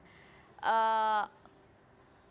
ini adalah bentuk penyaringan